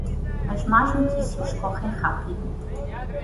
As más notícias correm rápido.